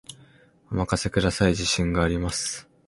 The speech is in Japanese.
お任せください、自信があります